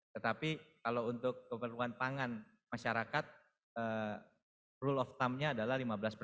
tetapi kalau untuk keperluan pangan masyarakat rule of come nya adalah lima belas persen